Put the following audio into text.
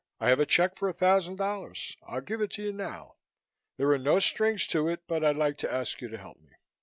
I have a check for a thousand dollars. I'll give it to you now. There are no strings to it but I'd like to ask you to help me."